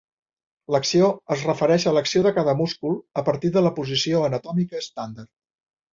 L'acció es refereix a l'acció de cada múscul a partir de la posició anatòmica estàndard.